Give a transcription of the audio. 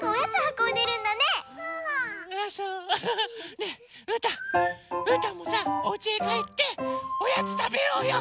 ねえうーたんうーたんもさおうちへかえっておやつたべようよ！